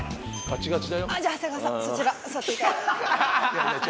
じゃあ長谷川さんそちら座っていただいて。